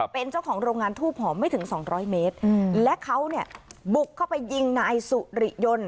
เป็นเจ้าของโรงงานทูบหอมไม่ถึงสองร้อยเมตรและเขาเนี่ยบุกเข้าไปยิงนายสุริยนต์